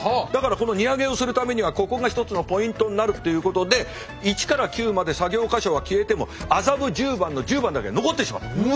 だからこの荷揚げをするためにはここが１つのポイントになるっていうことで１から９まで作業箇所は消えても麻布十番の１０番だけ残ってしまった。